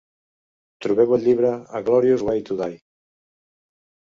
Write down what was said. Trobeu el llibre "A glorious way to die".